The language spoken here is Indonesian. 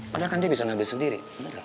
padahal kan dia bisa ngabis sendiri